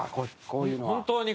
こういうのは。